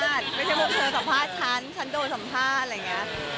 ไม่ใช่พวกเธอสัมภาษณ์ฉันฉันโดนสัมภาษณ์อะไรอย่างนี้